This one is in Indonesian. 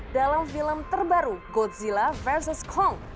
dalam film terbaru godzilla vs kong